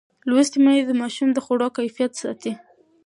لوستې میندې د ماشوم د خوړو کیفیت ساتي.